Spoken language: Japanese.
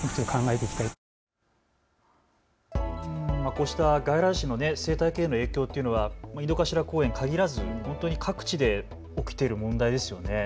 こうした外来種の生態系への影響というのは井の頭公園に限らず本当に各地で起きている問題ですよね。